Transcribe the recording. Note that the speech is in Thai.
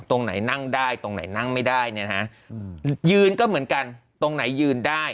ตรงไหนนั่งได้ตรงไหนนั่งไม่ได้เนี่ยฮะยืนก็เหมือนกันตรงไหนยืนได้